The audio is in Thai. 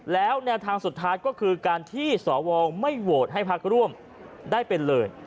แล้วแนวทางสุดท้ายก็คือการที่สวไม่โหวตให้พักร่วมได้เป็นเลย